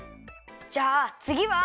じゃあつぎは。